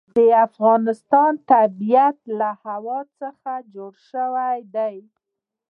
د افغانستان طبیعت له هوا څخه جوړ شوی دی.